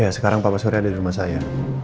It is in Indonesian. ya sekarang papa surya ada di rumah saya